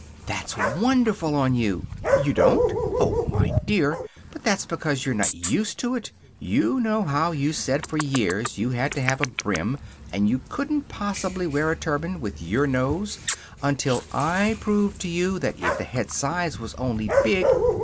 "That's wonderful on you! ... You don't! Oh, my dear! But that's because you're not used to it. You know how you said, for years, you had to have a brim, and couldn't possibly wear a turban, with your nose, until I proved to you that if the head size was only big